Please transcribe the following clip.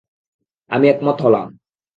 আমি একমত হলাম।